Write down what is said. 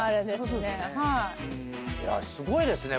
すごいですね。